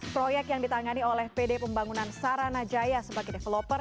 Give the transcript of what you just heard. proyek yang ditangani oleh pd pembangunan saranajaya sebagai developer